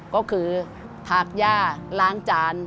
ก็คือทากย่าล้างจาน